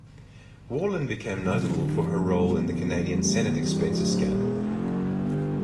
Wallin became notable for her role in the Canadian Senate expenses scandal.